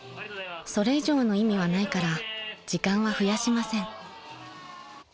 ［それ以上の意味はないから時間は増やしません］